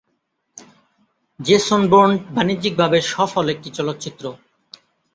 Jason Bourne বাণিজ্যিকভাবে সফল একটি চলচ্চিত্র।